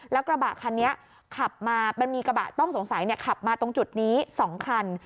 แล้วกระบะคันนี้ขับมามันมีกระบะต้องสงสัยขับมาตรงจุดนี้๒คัน